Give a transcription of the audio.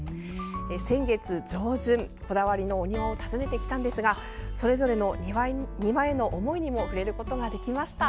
先月上旬、こだわりのお庭を訪ねてきたのですがそれぞれの庭への思いにも触れることができました。